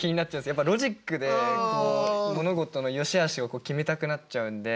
やっぱロジックで物事のよしあしを決めたくなっちゃうんで。